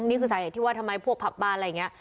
นี่คือสาเหตุที่ว่าทำไมพวกผักบ้านอะไรอย่างนี้